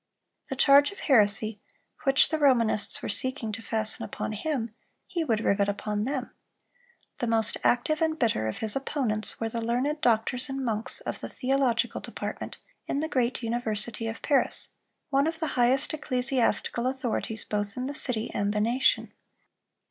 The charge of heresy which the Romanists were seeking to fasten upon him, he would rivet upon them. The most active and bitter of his opponents were the learned doctors and monks of the theological department in the great University of Paris, one of the highest ecclesiastical authorities both in the city and the nation.